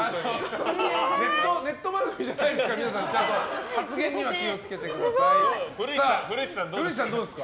ネット番組じゃないですから皆さん、発言には古市さん、どうですか。